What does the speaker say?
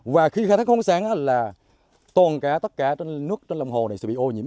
và khi khai thác không sáng là tồn cả tất cả nước trên lòng hồ này sẽ bị ô nhiễm